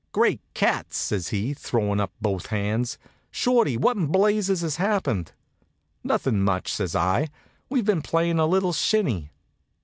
"Great cats!" says he, throwin' up both hands. "Shorty, what in blazes has happened?" "Nothin' much," says I. "We've been playin' a little shinny."